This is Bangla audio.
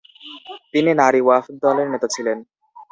তিনি নারী ওয়াফদ দলের নেতা ছিলেন।